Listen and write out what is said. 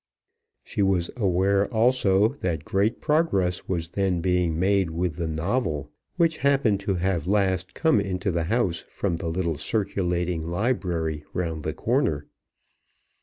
She was aware also that great progress was then made with the novel which happened to have last come into the house from the little circulating library round the corner.